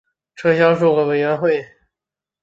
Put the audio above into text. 撤销数个委员会。